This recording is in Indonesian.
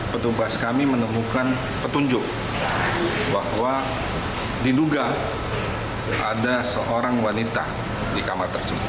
petugas kami menemukan petunjuk bahwa diduga ada seorang wanita di kamar tersebut